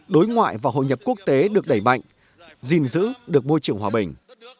đối ngoại và hội nhập quốc tế được đẩy mạnh gìn giữ được môi trường hòa bình